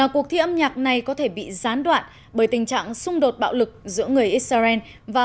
cuộc thi âm nhạc này có thể bị gián đoạn bởi tình trạng xung đột bạo lực giữa người israel và